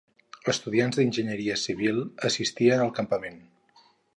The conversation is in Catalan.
Estudiants d'enginyeria civil assistien al campament.